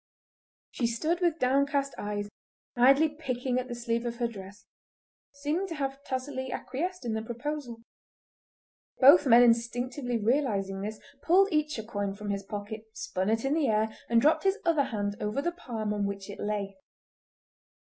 She stood with downcast eyes idly picking at the sleeve of her dress, seeming to have tacitly acquiesced in the proposal. Both men instinctively realising this pulled each a coin from his pocket, spun it in the air, and dropped his other hand over the palm on which it lay.